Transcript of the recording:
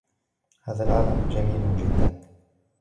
هذا العلم جميل جدا.